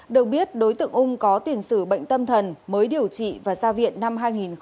được biết đối tượng ung có tiền sử bệnh tâm thần mới điều trị và ra viện năm hai nghìn một mươi